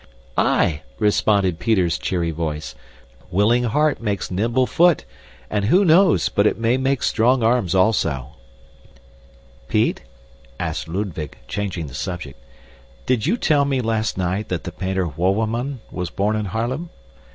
"Aye," responded Peter's cheery voice, "willing heart makes nimble foot and who knows, but it may make strong arms also." "Pete," asked Ludwig, changing the subject, "did you tell me last night that the painter Wouwerman was born in Haarlem?"